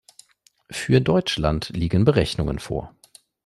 Für Deutschland liegen Berechnungen vor.